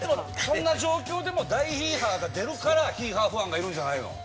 こんな状況でも大ヒーハーが出るからヒーハーファンがいるんじゃないの？